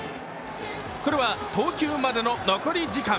これは投球までの残り時間。